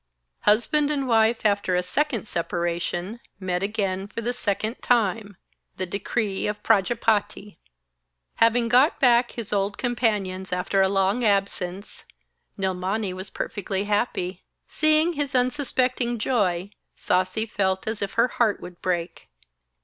Husband and wife, after a second separation, met again for the second time! The decree of Prajapati! The Hindu god of marriage. Having got back his old companions after a long absence, Nilmani was perfectly happy. Seeing his unsuspecting joy, Sasi felt as if her heart would break.